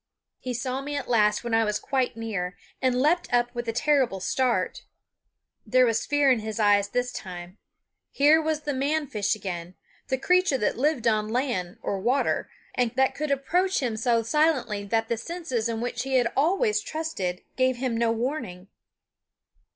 He saw me at last when I was quite near, and leaped up with a terrible start. There was fear in his eyes this time. Here was the man fish again, the creature that lived on land or water, and that could approach him so silently that the senses in which he had always trusted gave him no warning.